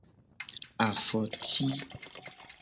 Afoti.